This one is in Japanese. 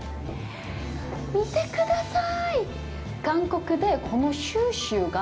見てください！